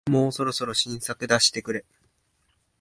もうそろそろ新作出してくれ